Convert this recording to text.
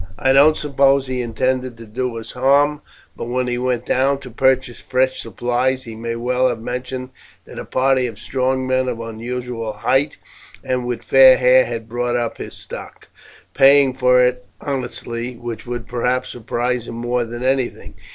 I don't suppose he intended to do us harm, but when he went down to purchase fresh supplies he may well have mentioned that a party of strong men of unusual height, and with fair hair, had bought up his stock, paying for it honestly, which would perhaps surprise him more than anything.